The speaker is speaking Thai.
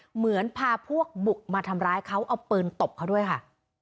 เหมือนพาพวกบุกมาทำร้ายเขาเอาปืนตบเขาด้วยค่ะ